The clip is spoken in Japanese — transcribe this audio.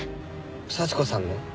幸子さんの？